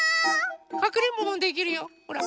かくれんぼもできるよほら。